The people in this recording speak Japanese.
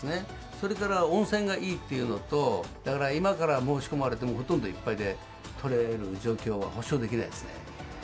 それから温泉がいいっていうのと、だから、今から申し込まれても、ほとんどいっぱいで、取れる状況は保証できないですね。